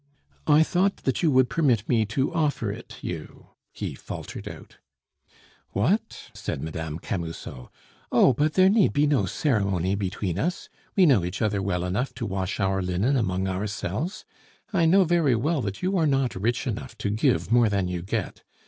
"I thought that you would permit me to offer it you " he faltered out. "What?" said Mme. Camusot. "Oh! but there need be no ceremony between us; we know each other well enough to wash our linen among ourselves. I know very well that you are not rich enough to give more than you get.